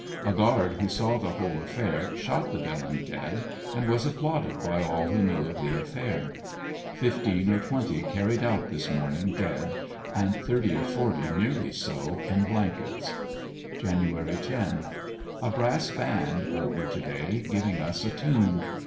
A guard who saw the whole affair shot the villain dead and was applauded by all who knew of the affair. Fifteen or twenty carried out this morning dead and thirt}^ or forty nearly so in blankets. Jan. 1 .— A brass band over to day giving us a tune.